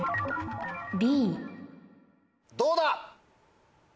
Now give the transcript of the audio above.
どうだ？